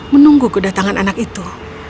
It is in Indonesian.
menunggu kedatangan anak itu